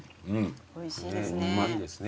おいしいですね。